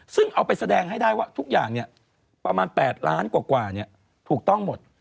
ซึ่งเอาไปแสดงให้ได้ว่าทุกอย่างประมาณ๘ล้านกว่าถูกต้องหมด